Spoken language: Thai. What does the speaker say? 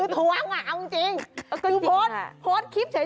คือทวงเอาจริงคือโพสต์คลิปเฉย